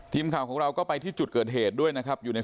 ทีมข่าวของเราก็ไปที่จุดเกิดเหตุด้วยนะครับอยู่ใน